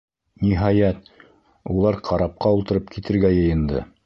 Ниһайәт, улар карапҡа ултырып китергә йыйынды.